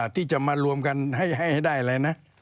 ที่จะมารวมกันให้ได้อะไรนะ